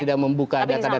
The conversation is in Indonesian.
tidak membuka data data